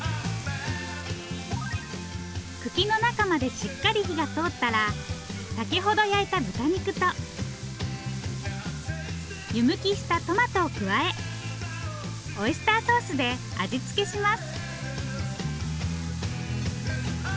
茎の中までしっかり火が通ったら先ほど焼いた豚肉と。湯むきしたトマトを加えオイスターソースで味付けします。